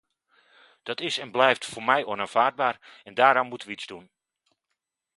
Dat is en blijft voor mij onaanvaardbaar, en daaraan moeten we iets doen.